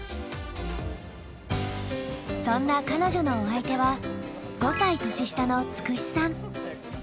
そんな彼女のお相手は５歳年下のつくしさん。